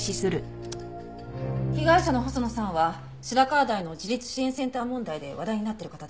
被害者の細野さんは白河台の自立支援センター問題で話題になってる方でした。